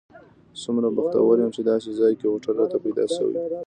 څومره بختور یم چې داسې ځای کې هوټل راته پیدا شوی.